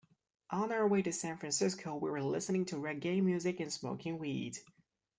On our way to San Francisco, we were listening to reggae music and smoking weed.